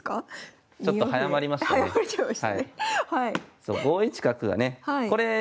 そう５一角がね。